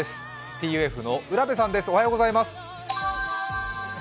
ＴＵＦの浦部さんです。